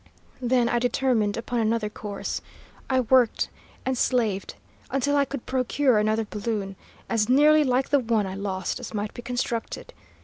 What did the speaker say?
"Then I determined upon another course. I worked and slaved until I could procure another balloon, as nearly like the one I lost as might be constructed.